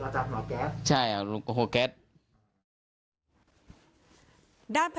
ด้านพนักงานป้องกันและบันเทาศาสนภัย